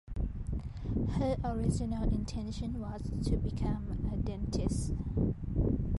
Her original intention was to become a dentist.